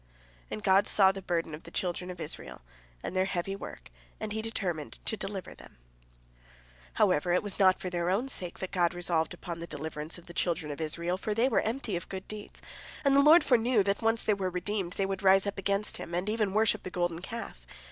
And God saw the burden of the children of Israel, and their heavy work, and He determined to deliver them. However, it was not for their own sake that God resolved upon the deliverance of the children of Israel, for they were empty of good deeds, and the Lord foreknew that, once they were redeemed, they would rise up against Him, and even worship the golden calf.